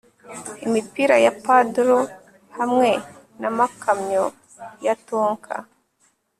Imipira ya Paddle hamwe namakamyo ya Tonka